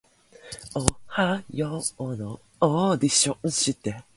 ただ、とおじさんは言うと、灯台だったらいい、とも言った